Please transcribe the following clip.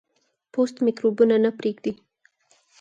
پوست میکروبونه نه پرېږدي.